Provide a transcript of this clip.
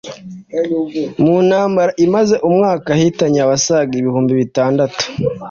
mu ntambara imaze umwaka yahitanye abasaga ibihumbi bitandatu